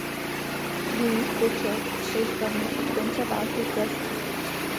Jejich počet soustavně od konce války klesá.